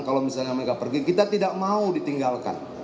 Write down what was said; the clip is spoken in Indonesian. kalau misalnya mereka pergi kita tidak mau ditinggalkan